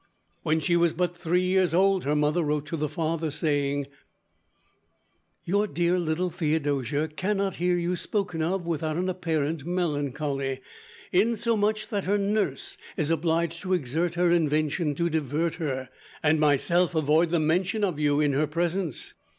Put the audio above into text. When she was but three years old her mother wrote to the father, saying: "Your dear little Theodosia cannot hear you spoken of without an apparent melancholy; insomuch, that her nurse is obliged to exert her invention to divert her, and myself avoid the mention of you in her presence.